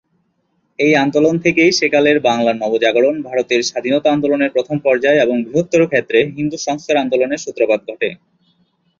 এই আন্দোলন থেকেই সেকালের বাংলার নবজাগরণ, ভারতের স্বাধীনতা আন্দোলনের প্রথম পর্যায় এবং বৃহত্তর ক্ষেত্রে হিন্দু সংস্কার আন্দোলনের সূত্রপাত ঘটে।